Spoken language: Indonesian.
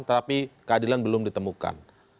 tetapi keadilan belum ditemukan